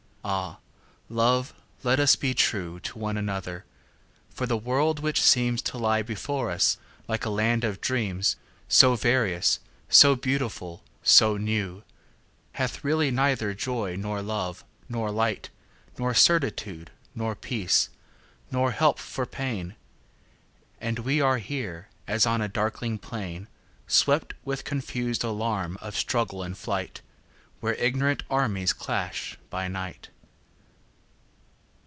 Ah, love, let us be trueTo one another! for the world, which seemsTo lie before us like a land of dreams, So various, so beautiful, so new, Hath really neither joy, nor love, nor light, Nor certitude, nor peace, nor help for pain; And we are here as on a darkling plainSwept with confus'd alarms of struggle and flight, Where ignorant armies clash by night.